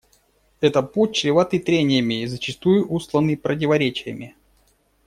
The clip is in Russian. Это путь, чреватый трениями и зачастую устланный противоречиями.